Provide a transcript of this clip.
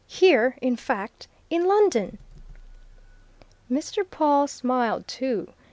"Here, in fact, in London!" Mr. Pawle smiled too.